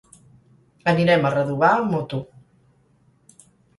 Anirem a Redovà amb moto.